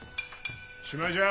しまいじゃあ。